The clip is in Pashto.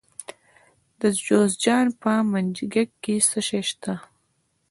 د جوزجان په منګجیک کې څه شی شته؟